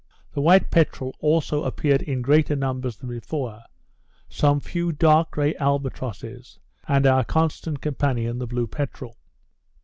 The white peterel also appeared in greater numbers than before; some few dark grey albatrosses, and our constant companion the blue peterel.